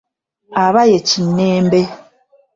Aba ye kinnembe.